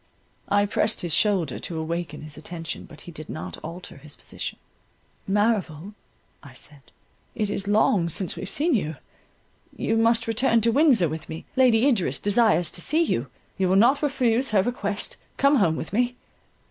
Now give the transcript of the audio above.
I pressed his shoulder to awaken his attention, but he did not alter his position. "Merrival," I said, "it is long since we have seen you—you must return to Windsor with me—Lady Idris desires to see you, you will not refuse her request—come home with me."